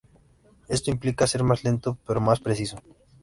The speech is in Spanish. Esto implica ser más lento pero más preciso.